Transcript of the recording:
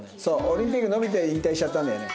オリンピック延びて引退しちゃったんだよね。